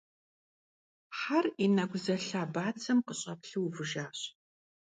Хьэр и нэкӀу зэлъа бацэм къыщӀэплъу увыжащ.